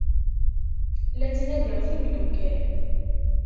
La ttnadiɣ timeddukal.